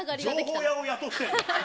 情報屋を雇ってるの？